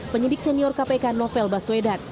penyidik senior kpk novel baswedan